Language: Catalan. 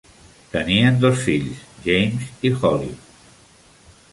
Tenien dos fills, James i Holly.